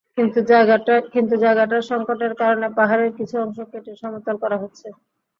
কিন্তু জায়গার সংকটের কারণে পাহাড়ের কিছু অংশ কেটে সমতল করা হচ্ছে।